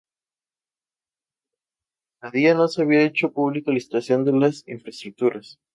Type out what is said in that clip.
A día no se había hecho público la situación de las infraestructuras